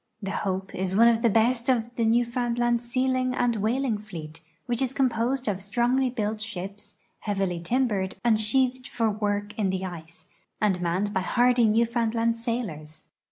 The Hope is one of the best of the Newfoundland sealing and whaling fleet, which is composed of strongly built ships, heavily timbered and sheathed for work in 7 98 A SUMMER VOYAGE TO THE ARCTIC the ice, and manned by hardy Newfoundland sailors.